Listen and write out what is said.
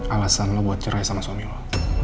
alasan lo buat cerai sama suami lo